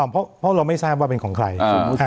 เพราะเราไม่ทราบว่าเป็นของใคร